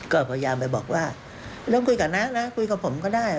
ก็พยายามไปบอกว่าเริ่มคุยกับน้านะคุยกับผมก็ได้